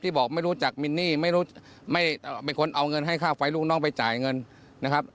บอกไม่รู้จักมินนี่ไม่รู้ไม่เป็นคนเอาเงินให้ค่าไฟลูกน้องไปจ่ายเงินนะครับ